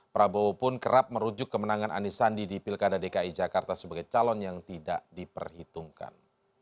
prabowo pun kerap merujuk kemenangan anies sandi di pilkada dki jakarta sebagai calon yang tidak diperhitungkan